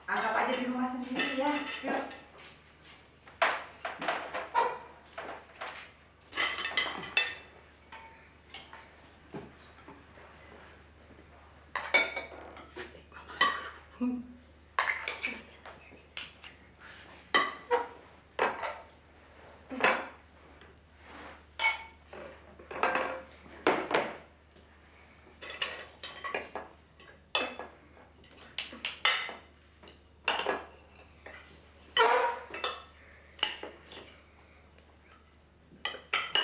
anggap aja di rumah sendiri ya